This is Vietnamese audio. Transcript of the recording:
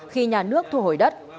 khi nhà nước thổi đất